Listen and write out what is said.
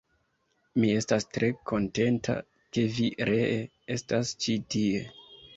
Mi estas tre kontenta, ke vi ree estas ĉi tie.